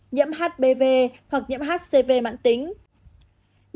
nhiễm hpv hoặc nhiễm hcv mạng tính